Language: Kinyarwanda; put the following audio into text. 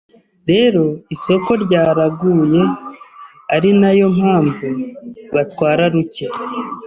rero isoko ryaraguye ari nayo mpamvu batwara ruke